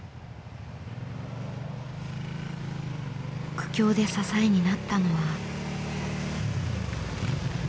苦境で支えになったのは。